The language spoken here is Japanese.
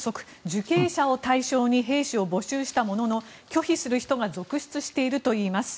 受刑者を対象に兵士を募集したものの拒否する人が続出しているといいます。